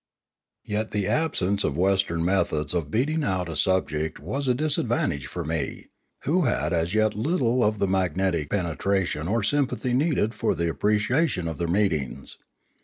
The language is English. Yet, the absence of Western methods of beating out a subject was a disadvantage for me, who had as yet little of the magnetic penetration or sympathy needed for the appreciation of their meetings.